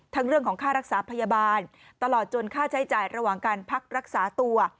เรื่องของค่ารักษาพยาบาลตลอดจนค่าใช้จ่ายระหว่างการพักรักษาตัว